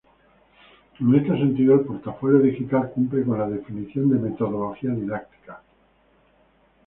En este sentido, el portafolio digital cumple con la definición de metodología didáctica.